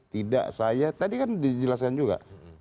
tidak saya tadi kan dijelaskan juga